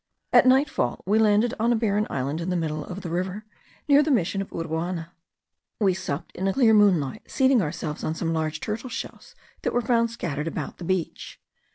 At nightfall we landed on a barren island in the middle of the river, near the Mission of Uruana. We supped in a clear moonlight, seating ourselves on some large turtle shells that were found scattered about the beach.